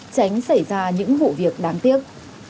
tránh xảy ra những vụ việc đáng tiếc